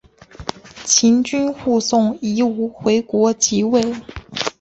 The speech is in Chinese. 秦军护送夷吾回国即位。